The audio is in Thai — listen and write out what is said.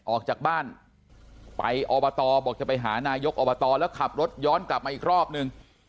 ออกจากบ้านไปอบตบอกจะไปหานายกอบตแล้วขับรถย้อนกลับมาอีกรอบนึง